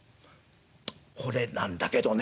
これなんだけどね」。